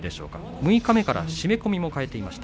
六日目から締め込みを変えていました。